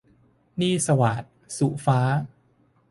หนี้สวาท - สุฟ้า